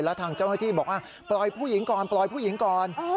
แล้วทางเจ้าหน้าที่บอกว่าปล่อยผู้หญิงก่อนปล่อยผู้หญิงก่อน